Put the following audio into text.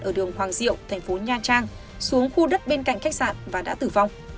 ở đường hoàng diệu thành phố nha trang xuống khu đất bên cạnh khách sạn và đã tử vong